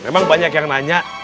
memang banyak yang nanya